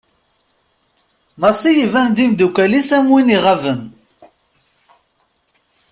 Massi iban-d i umddakel-is am win iɣaben.